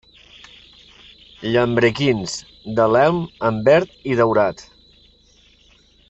Llambrequins de l'elm en verd i daurat.